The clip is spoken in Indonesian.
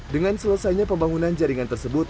dengan selesainya pembangunan jaringan tersebut